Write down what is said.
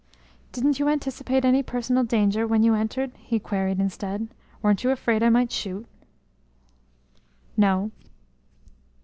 "Didn't you anticipate any personal danger when you entered?" he queried instead. "Weren't you afraid I might shoot?" "No."